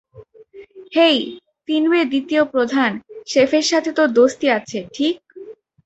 হেই, ফিনওয়ের দ্বিতীয় প্রধান, - শেফের সাথে তোর দোস্তি আছে, ঠিক?